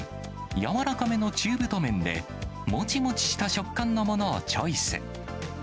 柔らかめの中太麺で、もちもちした食感のものをチョイス。